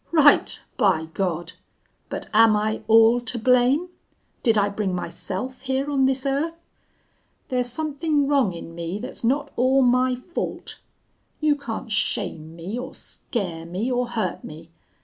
'Right, by God! But am I all to blame? Did I bring myself here on this earth!... There's something wrong in me that's not all my fault.... You can't shame me or scare me or hurt me.